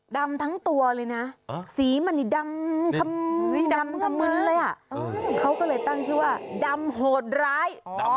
ดำทั้งตัวเลยนะสีมันนี่ดำขมึนเลยอ่ะเขาก็เลยตั้งชื่อว่าดำโหดร้าย